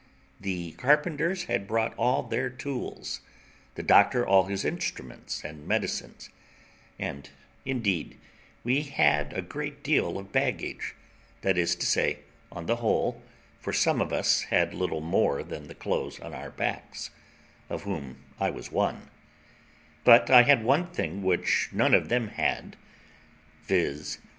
The carpenters had brought all their tools, the doctor all his instruments and medicines, and indeed we had a great deal of baggage, that is to say, on the whole, for some of us had little more than the clothes on our backs, of whom I was one; but I had one thing which none of them had, viz.